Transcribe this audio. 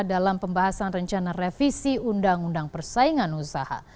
dalam pembahasan rencana revisi undang undang persaingan usaha